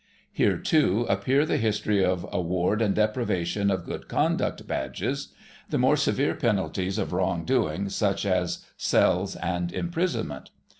Here, too, appear the history of award and deprivation of Good Conduct Badges; the more severe penalties of wrong doing, such as cells and imprisonment.